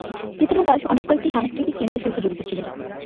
চেতনা দাস অনেক কয়েকটি সাংস্কৃতিক কেন্দ্রের সহিত জড়িত ছিলেন।